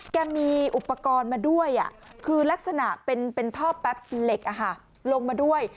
แกมีอุปกรณ์มาด้วยคือลักษณะเป็นท่อแป๊บเหล็กลงมาด้วย